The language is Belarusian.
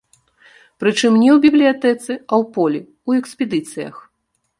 Прычым не ў бібліятэцы, а ў полі, ў экспедыцыях.